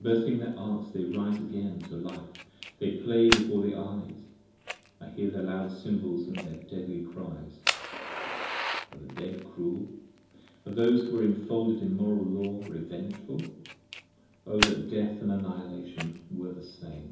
Bursting their Arks they rise again to life: they play before The Armies: I hear their loud cymbals & their deadly cries. Are the Dead cruel? are those who are infolded in moral Law Revengeful? O that Death & Annihilation were the same!